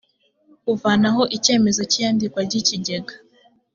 kuvanaho icyemezo cy’iyandikwa ry’ikigega